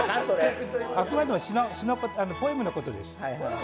あくまでもポエムのことです。